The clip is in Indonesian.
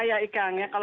ayah ica kalau